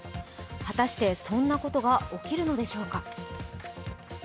果たしてそんなことが起きるのでしょうか。